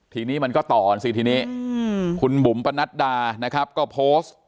ทีนี้มันก็ต่อกันสิทีนี้คุณบุ๋มปนัดดานะครับก็โพสต์